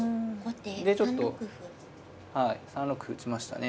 でちょっとはい３六歩打ちましたね。